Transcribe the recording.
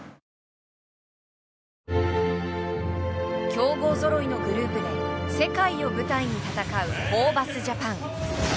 強豪ぞろいのグループで世界を舞台に戦うホーバスジャパン。